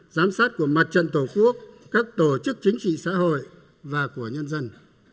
giám sát của mặt trận tổ quốc các tổ chức chính trị xã hội và của nhân dân